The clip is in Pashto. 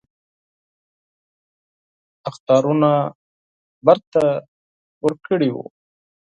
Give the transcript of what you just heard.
اخطارونه تکرار کړي وو.